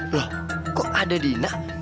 loh kok ada dina